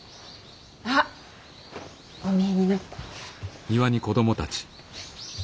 あっお見えになった。